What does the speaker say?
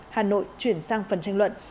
hà nội chuyển sang phần tranh luận